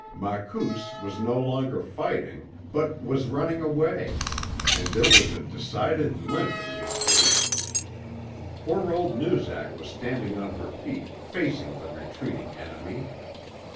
Makoos was no longer fighting, but was RUNNING AWAY and there was a decided limp in his gait! Poor old Noozak was standing on her feet, facing the retreating enemy.